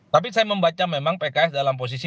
tapi saya membaca memang pks dalam posisi